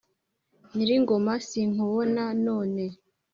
nyiringoma sinkubona none